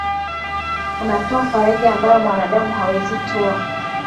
Unatoa faraja ambayo mwanadamu hawezi toa.